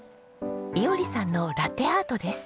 衣織さんのラテアートです。